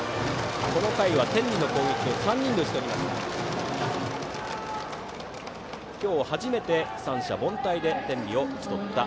この回は天理の攻撃を３人で打ち取りました。